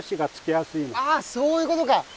ああそういうことか！